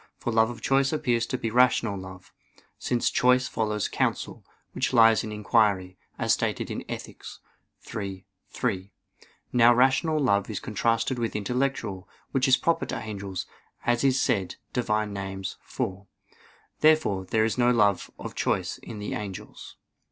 For love of choice appears to be rational love; since choice follows counsel, which lies in inquiry, as stated in Ethic. iii, 3. Now rational love is contrasted with intellectual, which is proper to angels, as is said (Div. Nom. iv). Therefore there is no love of choice in the angels.